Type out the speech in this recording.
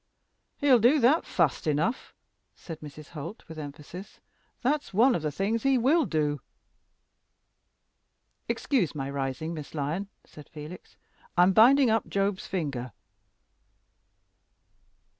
"He'll do that fast enough," said Mrs. Holt, with emphasis; "that's one of the things he will do." "Excuse my rising, Miss Lyon," said Felix; "I'm binding up Job's finger."